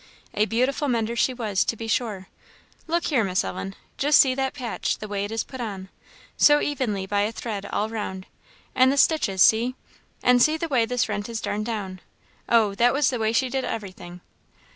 "A beautiful mender she was, to be sure! look here, Miss Ellen just see that patch the way it is put on so evenly by a thread all round; and the stitches, see and see the way this rent is darned down oh, that was the way she did everything!"